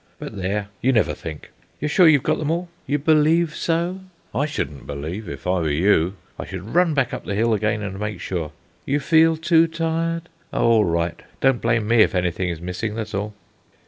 But there, you never think. You're sure you've got them all? You believe so? I shouldn't 'believe' if I were you; I should run back up the hill again and make sure. You feel too tired? Oh, all right! don't blame me if anything is missing, that's all."